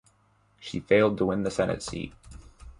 She failed to win the Senate seat.